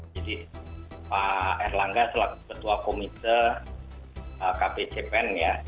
jadi pak erlangga setelah ketua komite kpcpn ya